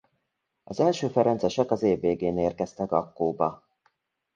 Az első ferencesek az év végén érkeztek Akkóba.